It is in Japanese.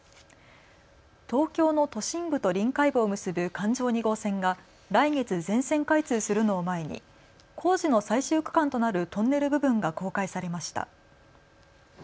東京の都心部と臨海部を結ぶ環状２号線が来月、全線開通するのを前に工事の最終区間となるトンネル部分が公開されました。